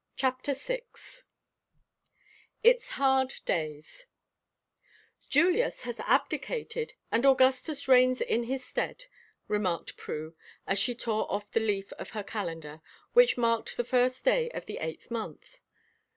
CHAPTER SIX ITS HARD DAYS "Julius has abdicated, and Augustus reigns in his stead," remarked Prue, as she tore off the leaf of her calendar, which marked the first day of the eighth month.